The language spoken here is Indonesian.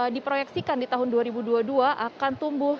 diproyeksikan di tahun dua ribu dua puluh dua akan tumbuh